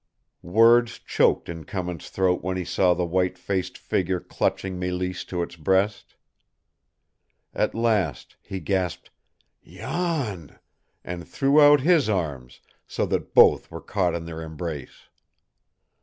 Words choked in Cummins' throat when he saw the white faced figure clutching Mélisse to its breast. At last he gasped "Jan!" and threw out his arms, so that both were caught in their embrace.